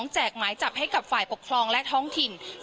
แจกหมายจับให้กับฝ่ายปกครองและท้องถิ่น